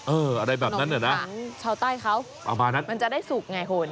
เอออะไรแบบนั้นเนี่ยนะมันจะได้สุกไงโคนขนมมีขาดชาวใต้ครับ